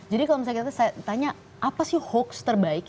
jadi kalau misalnya kita tanya apa sih hoks terbaik